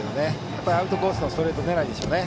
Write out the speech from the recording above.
やっぱりアウトコースのストレート狙いでしょうね。